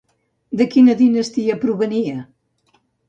De quina dinastia provenia?